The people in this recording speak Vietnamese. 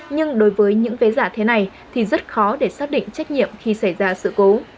nhưng đối với những vé giả thế này thì rất khó để xác định trách nhiệm khi xảy ra sự cố